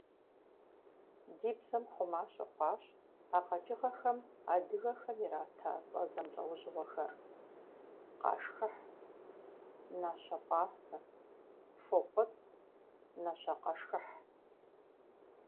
Ди бзэм хъума щыхъуащ а къэкӀыгъэхэм адыгэхэм ирата цӀэ зэмылӀэужьыгъуэхэр: къэшхыхь, нащэпӀастэ, фопӀытӀ, нащэкъэшхыхь.